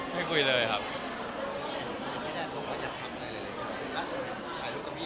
ไม่คุยเลยครับ